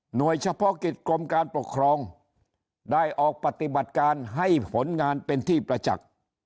โดยเฉพาะกิจกรมการปกครองได้ออกปฏิบัติการให้ผลงานเป็นที่ประจักษ์